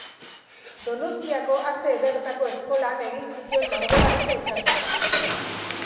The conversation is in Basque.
Donostiako Arte Ederretako Eskolan egin zituen Margolaritza ikasketak.